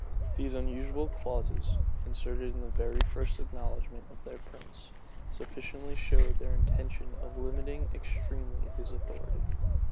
These unusual clauses, inserted in the very first acknowledgment of their prince, sufficiently showed their intention of limiting extremely his authority.